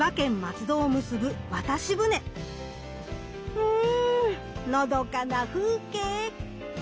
うんのどかな風景！